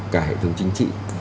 cả hệ thống chính trị